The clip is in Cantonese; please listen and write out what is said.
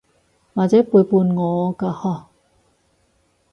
或者背叛我㗎嗬？